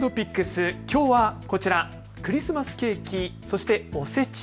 きょうはこちら、クリスマスケーキそしておせち。